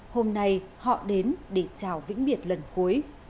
hôm nay họ đến để chào vĩnh biệt lần cuối